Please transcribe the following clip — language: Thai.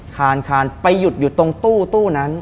คานคานไปหยุดอยู่ตรงตู้นั้น